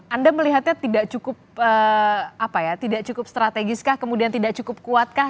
anda melihatnya tidak cukup strategiskah kemudian tidak cukup kuatkah